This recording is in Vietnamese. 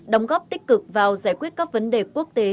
đóng góp tích cực vào giải quyết các vấn đề quốc tế